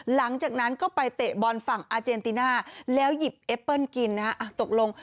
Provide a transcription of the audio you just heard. หลังจากนั้นก็ไปเตะบอลฝั่งอาเจนติน่าแล้วหยิบเอเปิ้ลกินนะฮะตกลง